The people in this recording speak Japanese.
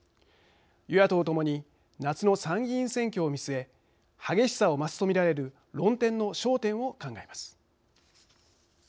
与野党ともに夏の参議院選挙を見据え激しさを増すとみられる論点の焦点を考えます。